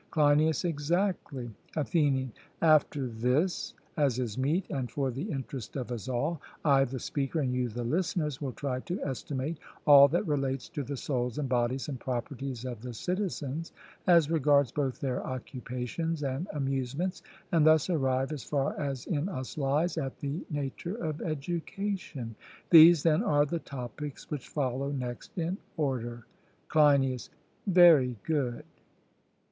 CLEINIAS: Exactly. ATHENIAN: After this, as is meet and for the interest of us all, I the speaker, and you the listeners, will try to estimate all that relates to the souls and bodies and properties of the citizens, as regards both their occupations and amusements, and thus arrive, as far as in us lies, at the nature of education. These then are the topics which follow next in order. CLEINIAS: Very good.